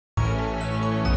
dia berbicara dengan binatang